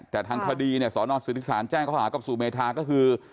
แต่ทางคดีสอนหกศูนิสันแจ้งเขาหากับสูเมทาก็คือ